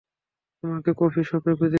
তোমাকে কফি শপে খুঁজেছি।